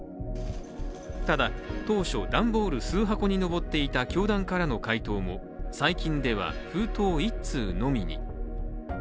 ただ、当初、段ボール数箱に上っていた教団からの回答も最近では封筒１通のみに。